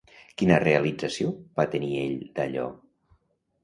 Quina realització va tenir ell, d'allò?